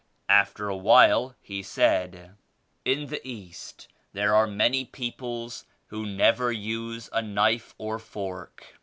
After awhile he said, "In the East there are many peoples who never use a knife or fork.